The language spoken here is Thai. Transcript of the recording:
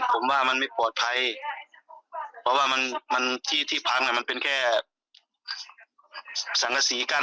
ผมว่ามันไม่ปลอดภัยเพราะว่ามันที่ที่พังมันเป็นแค่สังกษีกั้น